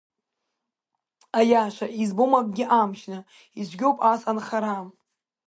Аиаша, избом акгьы амчны, ицәгьоуп ас анхара.